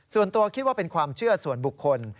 ส่วนตัวคิดว่าเป็นความเชื่อส่วนบุคคล